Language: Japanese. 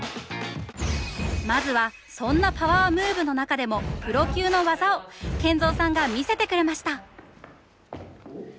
まずはそんなパワームーブの中でもプロ級の技をＫＥＮＺＯさんが見せてくれました！